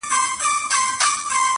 • په یوه گوزار یې خوله کړله ورماته -